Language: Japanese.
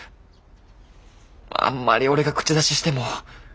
あんまり俺が口出ししても。